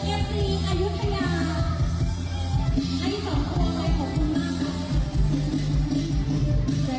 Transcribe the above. อ้าวยิงกันอ่ะ